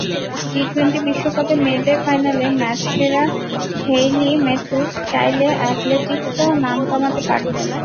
T twenty বিশ্বকাপে মেয়েদের ফাইনালে ম্যাচসেরা হেইলি ম্যাথুজ চাইলে অ্যাথলেটিকসেও নাম কামাতে পারতেন।